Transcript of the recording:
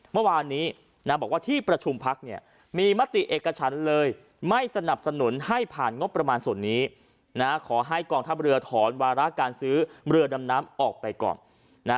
เมื่อวานนี้นะบอกว่าที่ประชุมพักเนี่ยมีมติเอกฉันเลยไม่สนับสนุนให้ผ่านงบประมาณส่วนนี้นะขอให้กองทัพเรือถอนวาระการซื้อเรือดำน้ำออกไปก่อนนะ